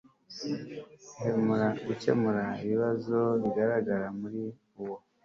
gukemura ibibazo bigaragara muri uwo